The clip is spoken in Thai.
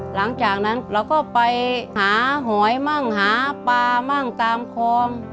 หลังจากนั้นเราก็ไปหาหอยมั่งหาปลามั่งตามคลอง